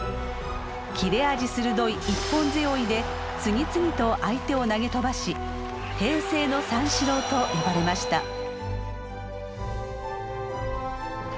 切れ味鋭い一本背負いで次々と相手を投げ飛ばし「平成の三四郎」と呼ばれました。